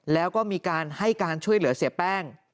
แล้วก็มีการให้การช่วยเหลือเสียแป้ง